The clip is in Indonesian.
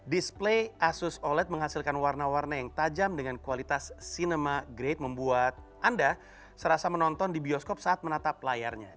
display asus oled menghasilkan warna warna yang tajam dengan kualitas cinema grade membuat anda serasa menonton di bioskop saat menatap layarnya